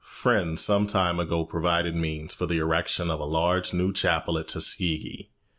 Friends some time ago provided means for the erection of a large new chapel at Tuskegee.